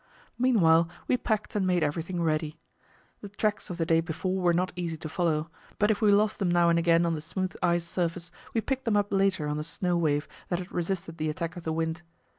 Meanwhile, we packed and made everything ready. The tracks of the day before were not easy to follow; but if we lost them now and again on the smooth ice surface, we picked them up later on a snow wave that had resisted the attack of the wind.